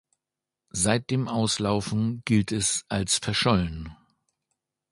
Seit dem Auslaufen gilt es als verschollen.